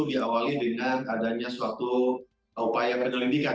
diawali dengan adanya suatu upaya penyelidikan